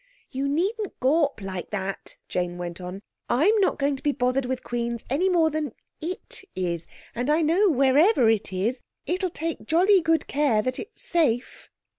"You needn't gawp like that," Jane went on. "I'm not going to be bothered with queens any more than IT is. And I know, wherever it is, it'll take jolly good care that it's safe."